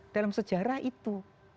dalam sejarah itu